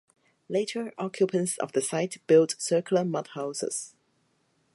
Later occupants of the site built circular mud houses.